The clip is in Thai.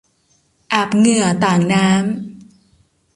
อาบเหงื่อต่างน้ำ